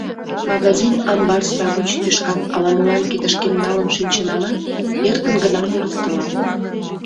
Магазин амбар сравоч тӱшкам ала-молан кидышкем налын шинчынамат, эркын гына мурыктылам.